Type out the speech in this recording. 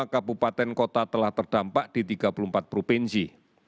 empat ratus tiga puluh lima kabupaten kota telah terdampak di tiga puluh empat provinsi